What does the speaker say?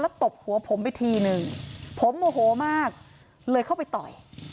ตบหัวผมไปทีหนึ่งผมโมโหมากเลยเข้าไปต่อย